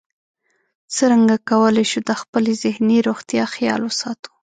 څرنګه کولی شو د خپلې ذهني روغتیا خیال وساتو